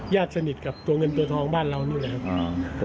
ญาติสนิทกับตัวเงินตัวทองบ้านเรานี่แหละครับ